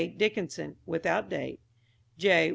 Dickinson (without date); J.